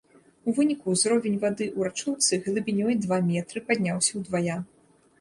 У выніку, узровень вады ў рачулцы глыбінёй два метры падняўся ўдвая.